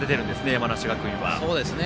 山梨学院は。